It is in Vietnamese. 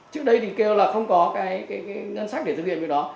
trước đây thì kêu là không có cái ngân sách để thực hiện việc đó